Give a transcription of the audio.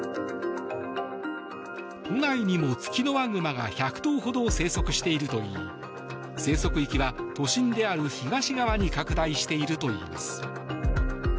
都内にもツキノワグマが１００頭ほど生息しているといい生息域は都心である東側に拡大しているといいます。